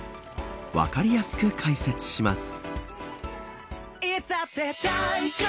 分かりやすく解説します。